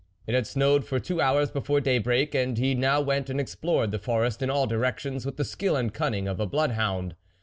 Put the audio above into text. It had snowed for two hours before day break; and he now went and explored the forest in all directions, with the skill and cunning of a bloodhound.